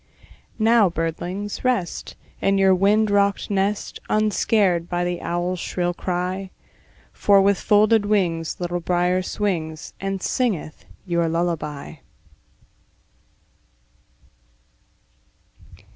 Now, birdlings, rest, In your wind rocked nest, Unscared by the owl's shrill cry; For with folded wings Little Brier swings, And singeth your lullaby.